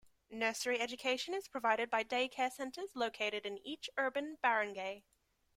Nursery education is provided by day-care centers located in each urban barangay.